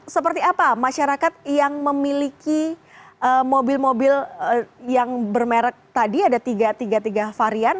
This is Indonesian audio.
seperti apa masyarakat yang memiliki mobil mobil yang bermerek tadi ada tiga tiga varian